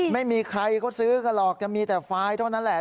ไม่มีใครเขาซื้อกันหรอกจะมีแต่ไฟล์เท่านั้นแหละ